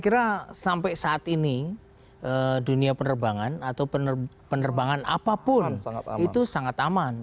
saya kira sampai saat ini dunia penerbangan atau penerbangan apapun itu sangat aman